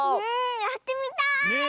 やってみたい！